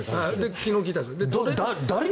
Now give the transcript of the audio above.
昨日聞いたんです。